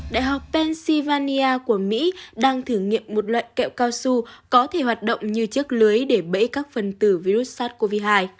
đại học pennsylvania của mỹ đang thử nghiệm một loại kẹo cao su có thể hoạt động như chiếc lưới để bẫy các phần tử virus sars cov hai